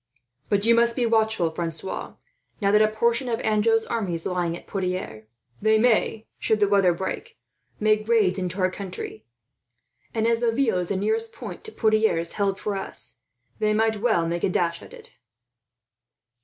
"But you must be watchful, Francois, now that a portion of Anjou's army is lying at Poitiers. They may, should the weather break, make raids into our country; and as Laville is the nearest point to Poitiers held for us, they might well make a dash at it."